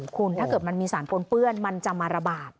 คุณถ้าเกิดมันมีสารปนเปื้อนมันจะมาระบาด